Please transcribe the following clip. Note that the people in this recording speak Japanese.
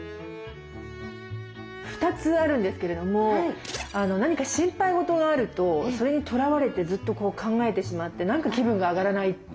２つあるんですけれども何か心配事があるとそれにとらわれてずっとこう考えてしまって何か気分が上がらない。